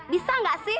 bisa gak sih